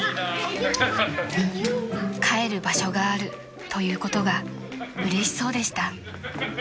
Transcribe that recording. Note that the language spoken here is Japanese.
［帰る場所があるということがうれしそうでした］